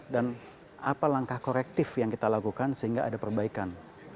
dan apa langkah korektif yang kita lakukan sehingga ada perbaikan